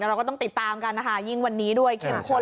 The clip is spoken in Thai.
แล้วก็ต้องติดตามกันนะคะยิ่งวันนี้ด้วย